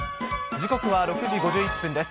時刻は６時５１分です。